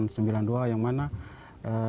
yang mana tempat ini menjadi tempat yang sangat menarik